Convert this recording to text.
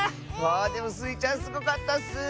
あでもスイちゃんすごかったッス！